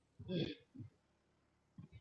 阿班旦杜很早就加入了杀人有限公司。